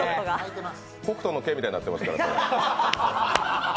「北斗の拳」みたいになってますからね。